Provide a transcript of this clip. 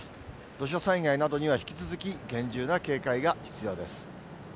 土砂災害などには引き続き厳重な警戒が必要です。